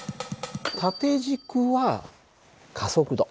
縦軸は加速度。